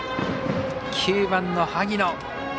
９番の萩野。